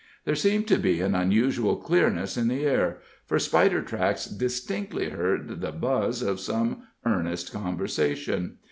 There seemed to be an unusual clearness in the air, for Spidertracks distinctly heard the buzz of some earnest conversation.